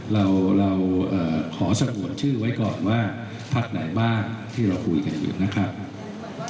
เราเราขอสงวนชื่อไว้ก่อนว่าพักไหนบ้างที่เราคุยกันอยู่นะครับ